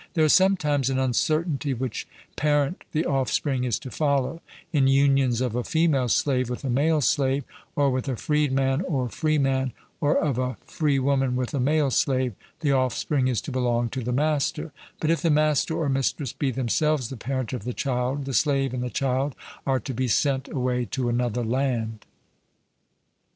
There is sometimes an uncertainty which parent the offspring is to follow: in unions of a female slave with a male slave, or with a freedman or free man, or of a free woman with a male slave, the offspring is to belong to the master; but if the master or mistress be themselves the parent of the child, the slave and the child are to be sent away to another land.